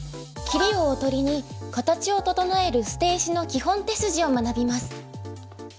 切りをおとりに形を整える捨て石の基本手筋を学びます。